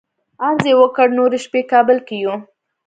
عرض یې وکړ نورې شپې کابل کې یو.